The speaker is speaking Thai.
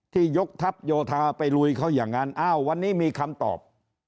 ยกทัพโยธาไปลุยเขาอย่างนั้นอ้าววันนี้มีคำตอบ